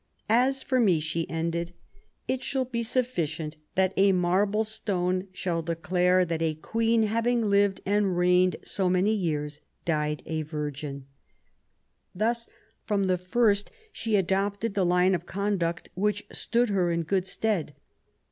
As for me," she ended, it shall be sufficient that a marble stone shall declare that a Queen, having lived and reigned so many years, died a virgin." Thus, from the first, she adopted the line of conduct which stood her in good stead.